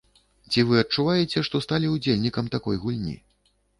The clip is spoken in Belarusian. Ці вы адчуваеце, што сталі ўдзельнікам такой гульні?